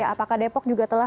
apakah depok juga telah